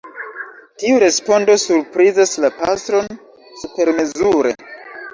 Tiu respondo surprizas la pastron supermezure.